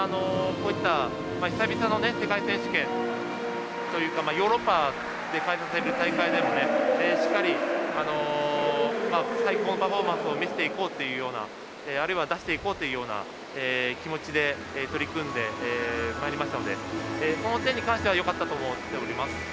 また、こういった久々の世界選手権というかヨーロッパで開催される大会なのでしっかり最高のパフォーマンスを見せていこうというようなあるいは出していこうというような気持ちで取り組んでまいりましたのでその点に関してはよかったと思っております。